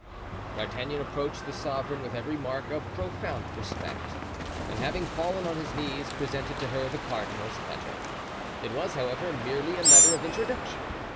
D'Artagnan approached the sovereign with every mark of profound respect, and having fallen on his knees presented to her the cardinal's letter It was, however, merely a letter of introduction.